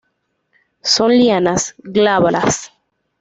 Son lianas, glabras.